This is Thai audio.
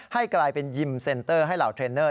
ให้กลายเป็นยิมเซ็นเตอร์ให้เหล่าเทรนเนอร์